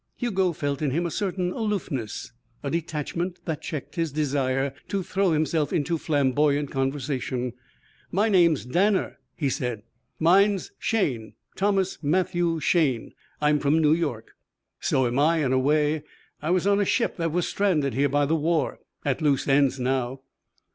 Hugo felt in him a certain aloofness, a detachment that checked his desire to throw himself into flamboyant conversation. "My name's Danner," he said. "Mine's Shayne, Thomas Mathew Shayne. I'm from New York." "So am I, in a way. I was on a ship that was stranded here by the war. At loose ends now."